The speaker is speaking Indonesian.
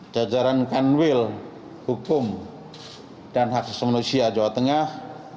jajaran kanwil hukum dan hak seseorang sia jawa tengah